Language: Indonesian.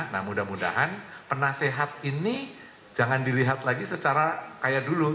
nah mudah mudahan penasehat ini jangan dilihat lagi secara kayak dulu